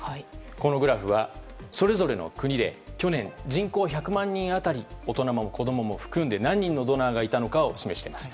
このグラフはそれぞれの国で去年、人口１００万人当たり大人も子供も含んで何人のドナーがいたのかを示しています。